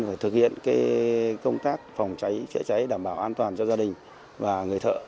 phải thực hiện công tác phòng cháy chữa cháy đảm bảo an toàn cho gia đình và người thợ